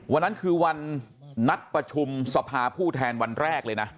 วันนั้นคือวันนัดประชุมสภาผู้แทนวันแรกเลยนะ